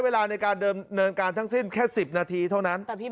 เวลาในการเนินการทั้งสิ้นแค่๑๐นาทีเท่านั้น